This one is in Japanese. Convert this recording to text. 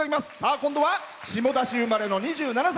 今度は下田市生まれの２７歳。